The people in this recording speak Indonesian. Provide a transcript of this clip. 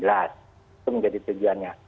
itu menjadi tujuannya